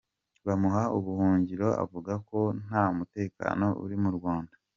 Bamuha ubuhungiro avuga ko ntamutekano uri mu Rwanda.